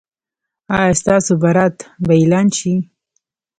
ایا ستاسو برات به اعلان شي؟